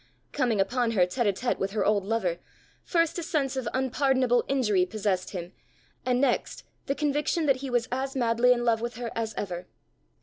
Coming upon her tête à tête with her old lover, first a sense of unpardonable injury possessed him, and next the conviction that he was as madly in love with her as ever.